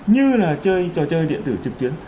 như là chơi trò chơi điện tử trực tuyến